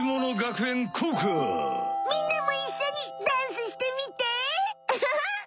みんなも一緒にダンスしてみて！